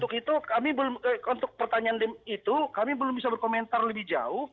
untuk itu kami belum untuk pertanyaan itu kami belum bisa berkomentar lebih jauh